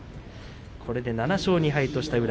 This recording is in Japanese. これで７勝２敗とした宇良。